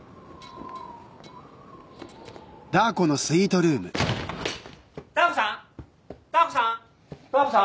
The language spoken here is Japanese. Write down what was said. ダー子さん！？